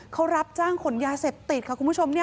เขารับจ้างขนยาเสพติดค่ะคุณผู้ชม